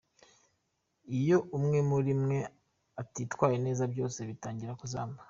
Iyo umwe muri mwe atitwara neza, byose bitangira kuzamba.